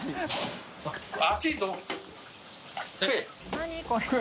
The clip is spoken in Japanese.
何？